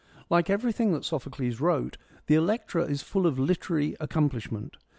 Like everything that Sophocles wrote, the Electra is full of literary accomplishment.